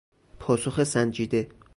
پاسخ سنجیده